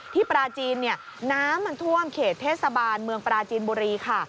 ปราจีนเนี่ยน้ำมันท่วมเขตเทศบาลเมืองปราจีนบุรีค่ะ